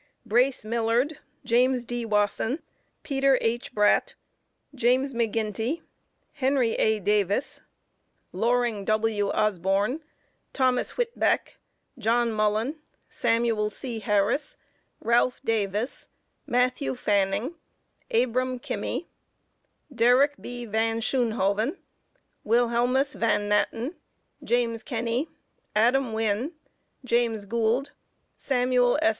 Brace Millerd, James D. Wasson, Peter H. Bradt, James McGinty, Henry A. Davis, Loring W. Osborn, Thomas Whitbeck, John Mullen, Samuel C. Harris, Ralph Davis, Matthew Fanning, Abram Kimmey, Derrick B. Van Schoonhoven, Wilhelmus Van Natten, James Kenney, Adam Winne, James Goold, Samuel S.